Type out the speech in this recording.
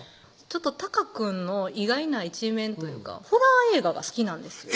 ちょっと隆くんの意外な一面というかホラー映画が好きなんですよ